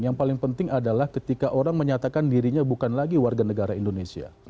yang paling penting adalah ketika orang menyatakan dirinya bukan lagi warga negara indonesia